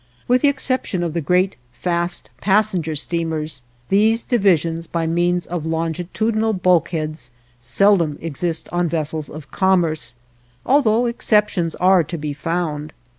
With the exception of the great fast passenger steamers, these divisions by means of longitudinal bulkheads seldom exist on vessels of commerce, although exceptions are to be found.